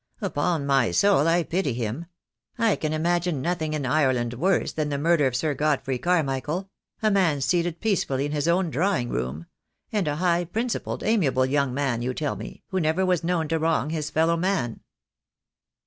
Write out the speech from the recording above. Upon my soul I pity him. I can imagine nothing in Ireland worse than the murder of Sir Godfrey Carmichael — a man seated peace fully in his own drawing room; and a high principled, 48 THE DAY WILL COME. amiable young man, you tell me, who never was known to wrong his fellow man."